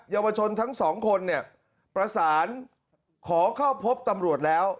เยาวชนทั้งสองคนเนี่ยประสานขอเข้าพบตำรวจแล้ว